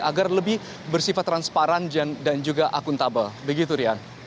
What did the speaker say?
agar lebih bersifat transparan dan juga akuntabel begitu rian